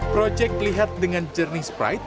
proyek lihat dengan jernih spride